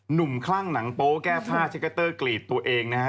คลั่งหนังโป๊แก้ผ้าเช็กเกตเตอร์กรีดตัวเองนะฮะ